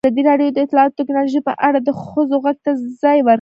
ازادي راډیو د اطلاعاتی تکنالوژي په اړه د ښځو غږ ته ځای ورکړی.